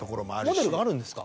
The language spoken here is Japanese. モデルがあるんですか？